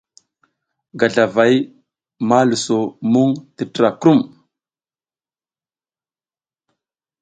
Gazlavay ma luso muŋ tətra krum.